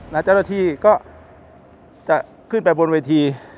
นาทีก็จะขึ้นไปบนวีธี